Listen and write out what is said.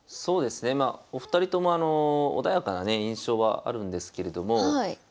そうですねまあお二人ともあの穏やかなね印象はあるんですけれども。